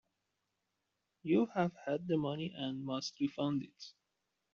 You have had the money and must refund it.